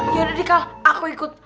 yaudah deh kak aku ikut